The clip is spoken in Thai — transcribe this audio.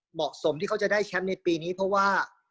เหมาะสมที่เขาจะได้แชมป์ในปีนี้เพราะว่า